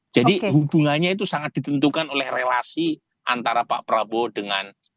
jadi hubungannya itu sangat ditentukan oleh relasi antara pak prabowo dengan